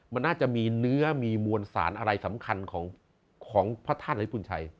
มันน่าจะมีเนื้อมีมวลสารอะไรสำคัญของพระธาตุลิปุญชัย